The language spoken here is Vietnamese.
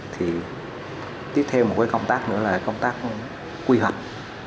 thì tiếp thêm một cái công tác nữa là công tác quy hoạch